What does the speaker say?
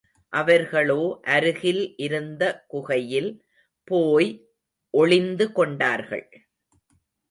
அவர்களோ அருகில் இருந்த குகையில் போய் ஒளிந்து கொண்டார்கள்.